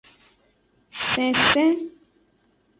Sensen.